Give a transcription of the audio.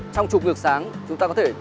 trong chụp ngược sáng chúng ta có thể